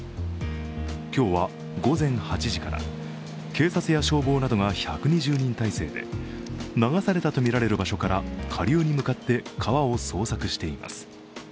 今日は午前８時から警察や消防などが１２０人態勢で流されたとみられる場所から下流に向かって川を捜索しています。